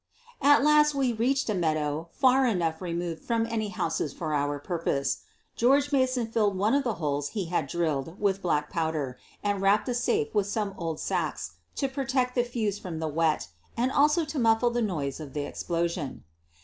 At last we reached a meadow far enough removed from any houses for our purpose. George Mason? filled one of the holes he had drilled with black pow der and wrapped the safe with some old sacks to protect the fuse from the wet and also to muffle the noise of the explosion.